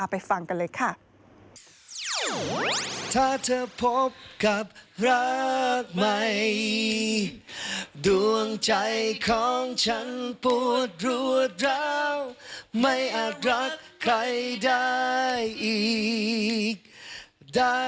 ไปฟังกันเลยค่ะ